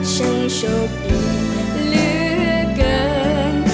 ฉันโชคดีเหลือเกินที่มีเธอเดินข้างนี้